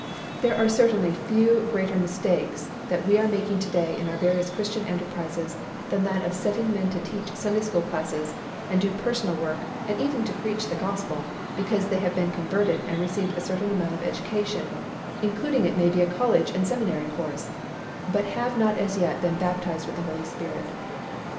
There are certainly few greater mistakes that we are making to day in our various Christian enterprises than that of setting men to teach Sunday school classes and do personal work and even to preach the Gospel, because they have been converted and received a certain amount of education, including it may be a college and seminary course, but have not as yet been baptized with the Holy Spirit.